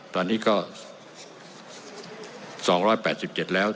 ตอนนี้ก็๒๘๗แล้ว